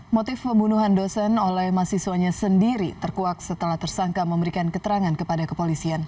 motif pembunuhan dosen oleh mahasiswanya sendiri terkuak setelah tersangka memberikan keterangan kepada kepolisian